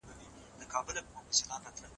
اسلام د پوهې غوښتنه لازمي ګڼي.